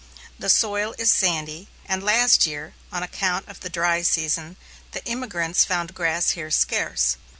The soil is sandy, and last year, on account of the dry season, the emigrants found grass here scarce.